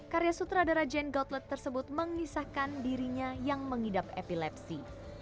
karya sutradara jane gautlet tersebut mengisahkan dirinya yang mengidap epilepsi